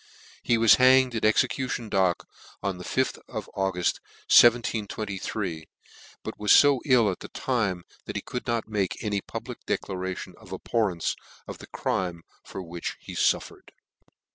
He was hang ed at Execution Dock on the 5th of Auguft, 1723* but was fo ill at the time that he could not make any public declaration of the abhorrence of the crime for which he fuffered.